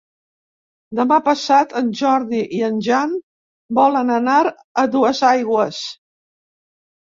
Demà passat en Jordi i en Jan volen anar a Duesaigües.